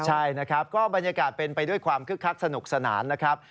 ใช่นะครับก็บรรยากาศเป็นไปด้วยความคึกคักสนุกสนานนะครับ